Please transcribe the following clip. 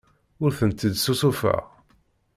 Ur tent-id-ssusufeɣ.